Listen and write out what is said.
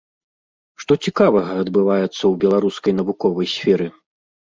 Што цікавага адбываецца ў беларускай навуковай сферы?